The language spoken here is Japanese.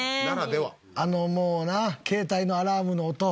あのもうな携帯のアラームの音。